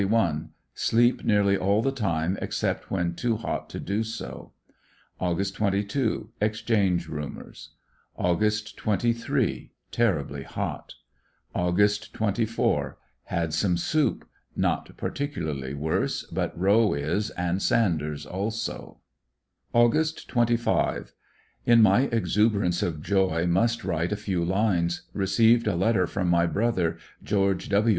— Sleep nearly all the time except when too hot to do so. Aug. 22 — Exchange rumors. Aug 23.— Terribly hot. Aug. 24. — Had some soup. Not particularly worse, but Howe is, and Sanders also. Aug. 25. — In my exuberance of joy must write a few Imes. Received a letter from my brother, George W.